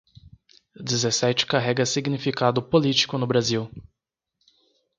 Dezessete carrega significado político no Brasil